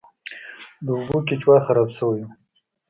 د اوبو کیچوا خراب شوی و.